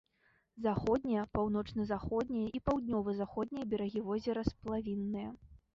Заходнія, паўночна-заходнія і паўднёва-заходнія берагі возера сплавінныя.